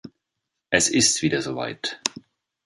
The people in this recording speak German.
Es ist wieder soweit.